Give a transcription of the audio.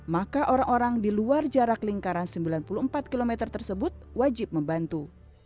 maka orang orang di luar jarak lingkaran sembilan puluh empat km tersebut wajib membantu